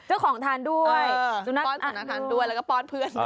เออตรงนี้แล้วก็โปรดเพื่อน